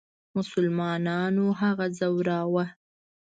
مسلمانانو هغه ځوراوه.